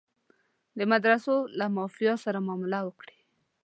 د مدرسو له مافیا سره معامله وکړي.